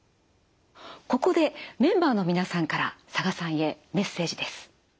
ここでメンバーの皆さんから佐賀さんへメッセージです。